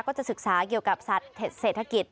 ก็จะศึกษาเกี่ยวกับสัตว์เศรษฐกิจ